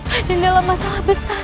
raden dalam masalah besar